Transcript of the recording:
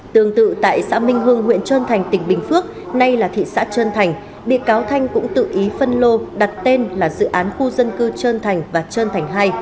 tương tự tại xã minh hương huyện trơn thành tỉnh bình phước nay là thị xã trơn thành bị cáo thanh cũng tự ý phân lô đặt tên là dự án khu dân cư trơn thành và trơn thành hai